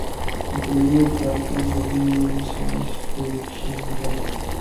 The wood duck is a medium-sized perching duck.